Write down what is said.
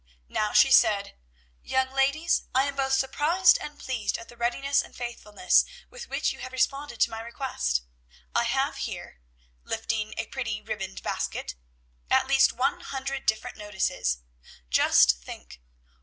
Now she said, "Young ladies, I am both surprised and pleased at the readiness and faithfulness with which you have responded to my request. I have here," lifting a pretty, ribbon tied basket, "at least one hundred different notices! Just think!